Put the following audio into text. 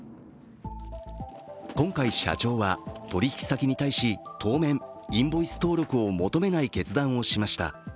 今回、社長は取引先に対し、当面、インボイス登録を求めない決断をしました。